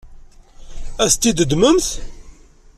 Ad t-teddmemt?